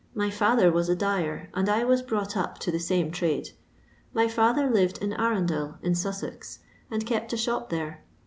Hy fiither was a dy«r, and I was brought up to the same timda. My fiither lived at Arundel, in Sussex, and kept a shop there.